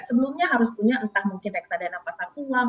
sebelumnya harus punya entah mungkin reksadana pasar uang